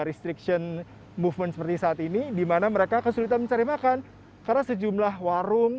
restriction movement seperti saat ini dimana mereka kesulitan mencari makan karena sejumlah warung